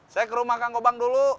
saya ke rumah kang gobang dulu